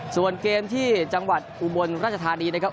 ส่วนเกมที่จังหวัดอุบลราชธานีนะครับ